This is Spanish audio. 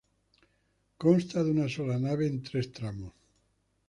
Consta de una sola nave en tres tramos.